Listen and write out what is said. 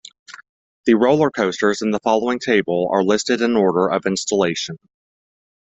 The roller coasters in the following table are listed in order of installation.